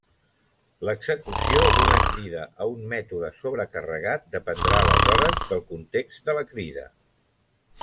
L'execució d'una crida a un mètode sobrecarregat dependrà aleshores del context de la crida.